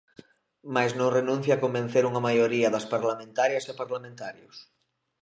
Mais non renuncia a convencer unha maioría das parlamentarias e parlamentarios.